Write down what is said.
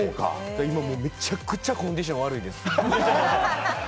今もうめちゃくちゃコンディション悪いんです。